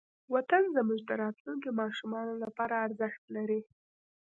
وطن زموږ د راتلونکې ماشومانو لپاره ارزښت لري.